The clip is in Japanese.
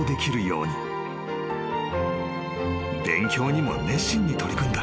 ［勉強にも熱心に取り組んだ］